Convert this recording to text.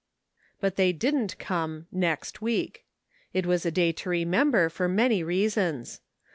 But they didn't come "next week." It was a day to remember for many reasons.